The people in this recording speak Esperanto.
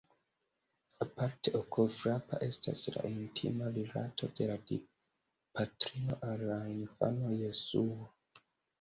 Aparte okulfrapa estas la intima rilato de la Dipatrino al la infano Jesuo.